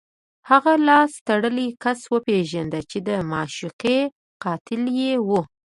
هغه لاس تړلی کس وپېژنده چې د معشوقې قاتل یې و